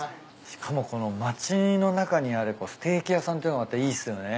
しかもこの町の中にあるステーキ屋さんっていうのがまたいいっすよね。